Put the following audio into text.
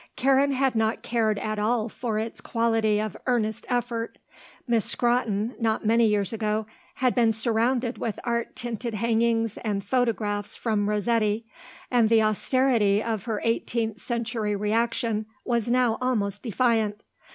Karen had not cared at all for its quality of earnest effort. Miss Scrotton, not many years ago, had been surrounded with art tinted hangings and photographs from Rossetti, and the austerity of her eighteenth century reaction was now almost defiant.